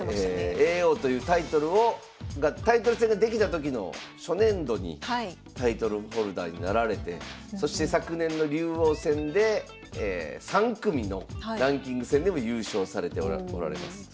叡王というタイトルをがタイトル戦ができた時の初年度にタイトルホルダーになられてそして昨年の竜王戦で３組のランキング戦でも優勝されておられます。